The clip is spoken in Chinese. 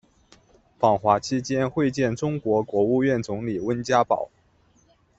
访华期间会见中国国务院总理温家宝。